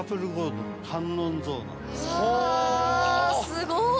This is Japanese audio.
すごい。